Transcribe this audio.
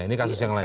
ini kasus yang lain